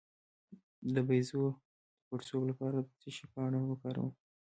د بیضو د پړسوب لپاره د څه شي پاڼه وکاروم؟